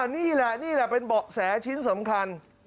นี่แหละนี่แหละเป็นเบาะแสชิ้นสำคัญ